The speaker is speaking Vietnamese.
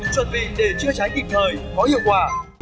chuẩn bị để chữa cháy kịp thời có hiệu quả